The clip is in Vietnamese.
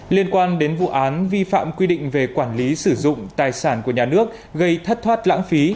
liên quan đến vụ án vi phạm quy định về quản lý sử dụng tài sản của nhà nước gây thất thoát lãng phí